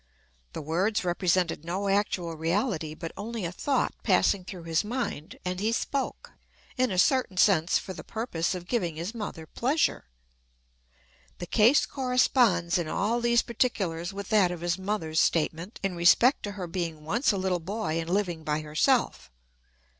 The words represented no actual reality, but only a thought passing through his mind, and he spoke, in a certain sense, for the purpose of giving his mother pleasure. The case corresponds in all these particulars with that of his mother's statement in respect to her being once a little boy and living by herself.